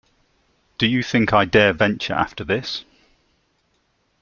Do you think I dare venture after this?